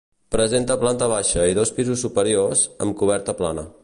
Presenta planta baixa i dos pisos superiors, amb coberta plana.